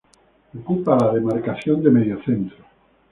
Ocupa la demarcación de mediocentro.